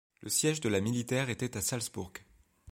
Le siège de la militaire était à Salzbourg.